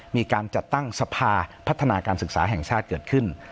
มีการจัดตั้งสภาพัฒนาการศึกษาแห่งชาติเกิดขึ้น